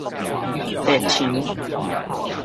襪牆